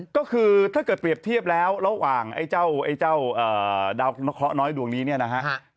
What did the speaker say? ก็คือถ้าเกิดเปรียบเทียบแล้วระหว่างไอ้เจ้าดาวเคราะห์น้อยดวงนี้เนี่ยนะฮะ